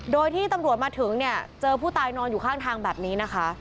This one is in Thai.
โดยที่ตำรวจมาถึงเนี่ยเจอผู้ตายนอนอยู่ข้างทางแบบนี้นะคะ